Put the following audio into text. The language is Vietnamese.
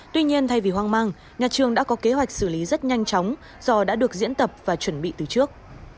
tuy nhiên thay vì hoang mang nhà trường đã có kế hoạch xử lý rất nhanh chóng do đã được diễn tập và chuẩn bị từ trước